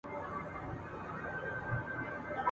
اجماع ئې وکړل يعني اتفاق ئې وکړ.